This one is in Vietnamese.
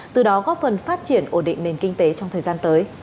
từ đó góp phần phát triển ổn định nền kinh tế trong thời gian tới